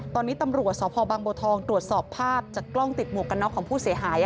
ตอนนี้ตำรวจสพบังบัวทองตรวจสอบภาพจากกล้องติดหมวกกันน็อกของผู้เสียหาย